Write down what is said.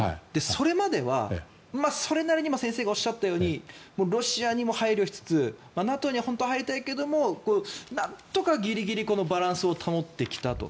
それまでは、それなりに先生がおっしゃったようにロシアにも配慮しつつＮＡＴＯには本当は入りたいけどなんとかギリギリこのバランスを保ってきたと。